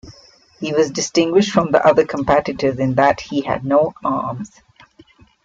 He was distinguished from the other competitors in that he had no arms.